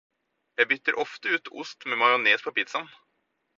Jeg bytter ofte ut ost med majones på pizzaen.